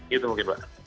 gitu mungkin mbak